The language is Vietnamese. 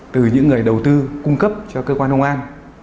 từ những người đầu tư cung cấp cho cơ quan công an